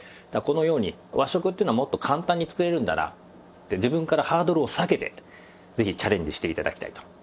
だからこのように和食っていうのはもっと簡単に作れるんだなって自分からハードルを下げてぜひチャレンジして頂きたいと。